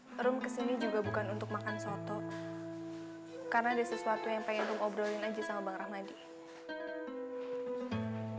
maaf bang rum kesini juga bukan untuk makan soto karena ada sesuatu yang pengen gue ngobrolin aja sama bang rahmadi